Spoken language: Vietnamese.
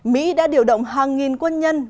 mỹ đã điều động hàng nghìn quân nhân